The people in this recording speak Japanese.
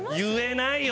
言えないよ。